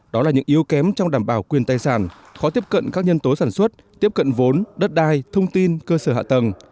đó là những yếu kém trong đảm bảo quyền tài sản khó tiếp cận các nhân tố sản xuất tiếp cận vốn đất đai thông tin cơ sở hạ tầng